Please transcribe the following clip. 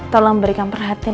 tolong berikan perhatian